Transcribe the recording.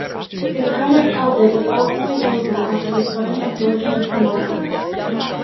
His time at Celtic was ultimately over after the signing of Georgios Samaras.